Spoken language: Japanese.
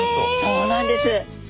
そうなんです。